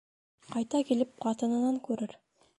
Ҡайта килеп, ҡатынынан күрер.